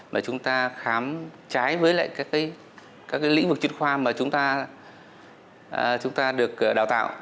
mà chúng ta khám trái với lại các lĩnh vực chuyên khoa mà chúng ta được đào tạo